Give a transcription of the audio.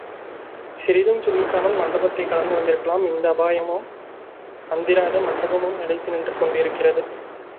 சிறிதும் சிந்திக்காமல், மண்டபத்தைக் கடந்து வந்திருக்கலாம் இந்த அபாயமும் வந்திராது மண்டபமும் நிலைத்து நின்று கொண்டிருக்கிறது.